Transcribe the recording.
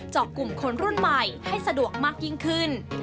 อกกลุ่มคนรุ่นใหม่ให้สะดวกมากยิ่งขึ้น